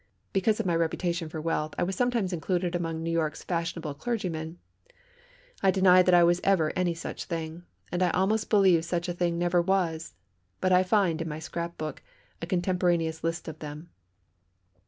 Because of my reputation for wealth I was sometimes included among New York's fashionable clergymen. I deny that I was ever any such thing, and I almost believe such a thing never was, but I find, in my scrapbook, a contemporaneous list of them.